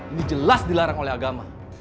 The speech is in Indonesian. ini jelas dilarang oleh agama